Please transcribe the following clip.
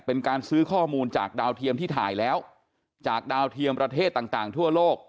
เป็นการซื้อข้อมูลจากดาวเทียมที่ถ่ายแล้วจากดาวเทียมประเทศต่างทั่วโลก